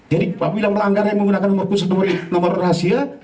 jadi bila melanggar yang menggunakan nomor khusus nomor rahasia